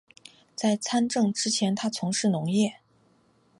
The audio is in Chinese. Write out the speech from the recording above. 在参政之前他从事农业。